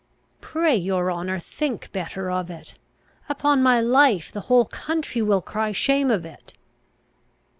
"Pray, your honour, think better of it. Upon my life, the whole country will cry shame of it."